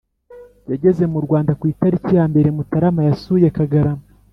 yageze mu Rwanda ku itariki ya mbere Mutarama Yasuye kagarama